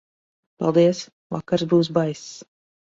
Paldies, vakars būs baiss.